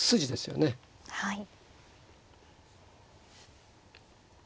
はい。